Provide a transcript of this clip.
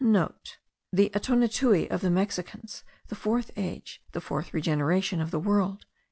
(* The Atonatiuh of the Mexicans, the fourth age, the fourth regeneration of the world.)